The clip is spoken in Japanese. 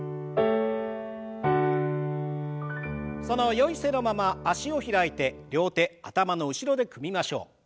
そのよい姿勢のまま脚を開いて両手頭の後ろで組みましょう。